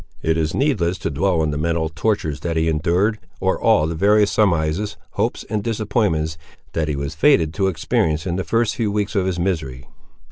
It is needless to dwell on the mental tortures that he endured, or all the various surmises, hopes, and disappointments, that he was fated to experience in the first few weeks of his misery.